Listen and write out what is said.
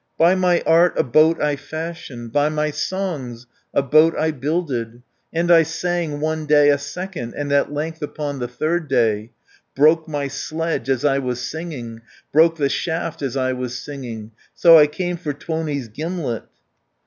By my art a boat I fashioned, By my songs a boat I builded, 250 And I sang one day, a second, And at length upon the third day, Broke my sledge as I was singing, Broke the shaft as I was singing, So I came for Tuoni's gimlet.